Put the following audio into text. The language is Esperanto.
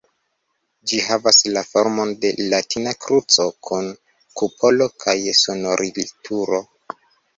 Ĝi havas la formon de latina kruco, kun kupolo kaj sonorilturo.